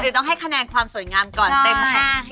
คนอื่นต้องให้คะแนนความสวยงามก่อนเต็มมาก